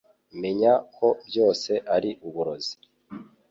Menya ko byose ari uburozi